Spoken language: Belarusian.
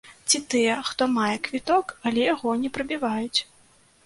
Ці тыя, хто мае квіток, але яго не прабіваюць.